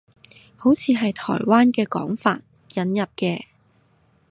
好似係台灣嘅講法，引入嘅